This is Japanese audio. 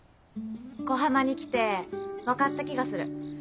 小浜に来て分かった気がする。